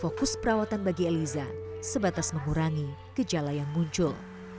fokus perawatan bagi eliza sebatas mengurangi gejala yang muncul